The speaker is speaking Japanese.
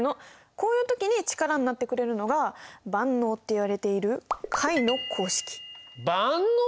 こういう時に力になってくれるのが万能っていわれている万能！？